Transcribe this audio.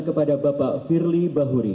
kepada bapak firly bahuri